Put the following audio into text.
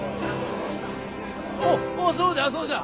おっそうじゃそうじゃ。